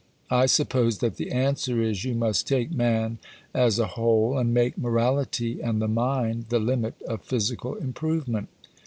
I suppose that the answer is you must take man as a whole, and make morality and the mind the limit of physical improvement.